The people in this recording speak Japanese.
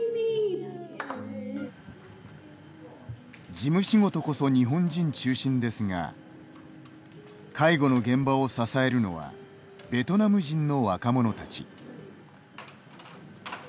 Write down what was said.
事務仕事こそ日本人中心ですが介護の現場を支えるのはベトナム人の若者たち。